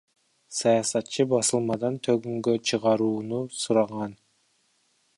Саясатчы басылмадан төгүнгө чыгарууну суранган.